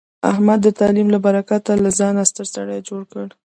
احمد د تعلیم له برکته له ځانه ستر سړی جوړ کړ.